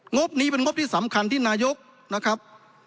บนี้เป็นงบที่สำคัญที่นายกนะครับ